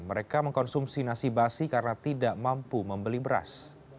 mereka mengkonsumsi nasi basi karena tidak mampu membeli beras